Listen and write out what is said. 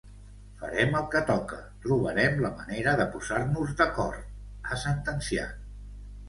Farem el que toca, trobarem la manera de posar-nos d’acord, ha sentenciat.